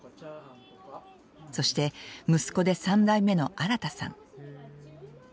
そして息子で３代目の新さん。